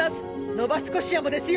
ノバスコシアもですよ。